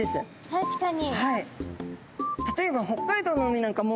確かに。